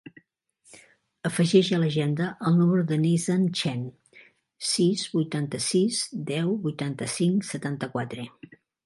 Afegeix a l'agenda el número del Neizan Chen: sis, vuitanta-sis, deu, vuitanta-cinc, setanta-quatre.